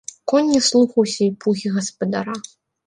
Конь не слухаўся і пугі гаспадара.